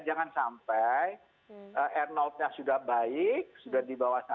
jangan sampai r nya sudah baik sudah di bawah satu